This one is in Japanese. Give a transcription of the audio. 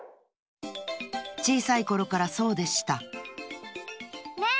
ちいさいころからそうでしたねえ